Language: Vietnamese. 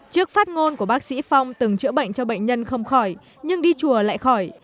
trước phát ngôn của bác sĩ phong từng chữa bệnh cho bệnh nhân không khỏi nhưng đi chùa lại khỏi